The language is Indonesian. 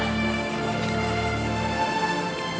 bang robby tidak ke kantor